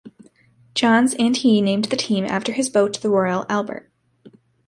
Johns and he named the team after his boat the Royal Albert.